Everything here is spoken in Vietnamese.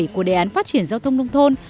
của đề án phát triển giao thông nông thôn